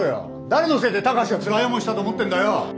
誰のせいで高志がつらい思いしたと思ってんだよ？